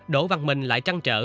đổ văn mình lại trăng trở